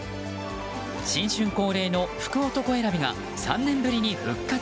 新春恒例の福男選びが３年ぶりに復活。